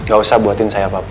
gak usah buatin saya apa apa